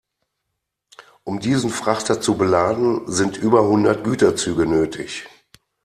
Um diesen Frachter zu beladen, sind über hundert Güterzüge nötig.